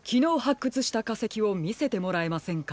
くつしたかせきをみせてもらえませんか？